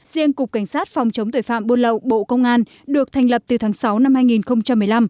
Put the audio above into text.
riêng cục cảnh sát phòng chống tội phạm buôn lậu bộ công an được thành lập từ tháng sáu năm hai nghìn một mươi năm